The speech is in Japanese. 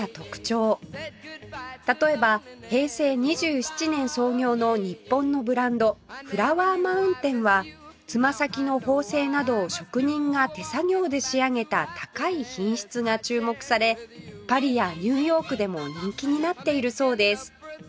例えば平成２７年創業の日本のブランドフラワーマウンテンはつま先の縫製などを職人が手作業で仕上げた高い品質が注目されパリやニューヨークでも人気になっているそうです